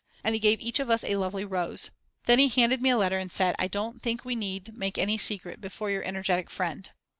And he gave each of us a lovely rose. Then he handed me a letter and said: "I don't think we need make any secret before your energetic friend."